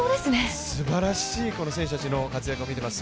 すばらしい選手たちの活躍を見ています。